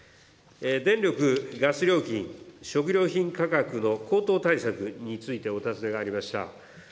電力・ガス料金、食料品価格の高騰対策についてお尋ねがありました。